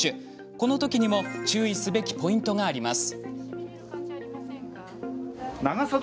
このときにも注意すべきポイントがあります。